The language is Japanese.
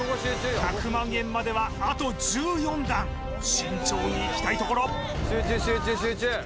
１００万円まではあと１４段慎重にいきたいところ集中集中集中！